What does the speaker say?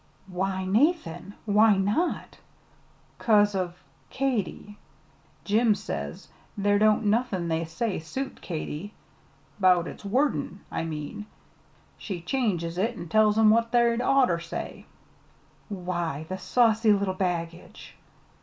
"Why, Nathan! why not?" "'Cause of Katy. Jim says there don't nothin' they say suit Katy 'bout its wordin', I mean. She changes it an' tells 'em what they'd orter said." "Why, the saucy little baggage!"